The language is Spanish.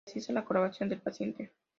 Precisa la colaboración del paciente.